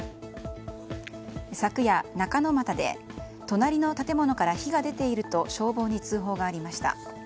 昨夜、中ノ俣で隣の建物から火が出ていると消防に通報がありました。